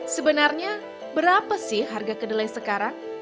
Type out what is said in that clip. sebenarnya berapa sih harga kedelai sekarang